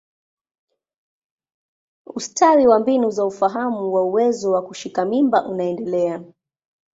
Ustawi wa mbinu za ufahamu wa uwezo wa kushika mimba unaendelea.